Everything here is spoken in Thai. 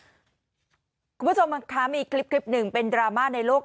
คุณผู้ชมคะมีคลิปหนึ่งเป็นดราม่าในโลก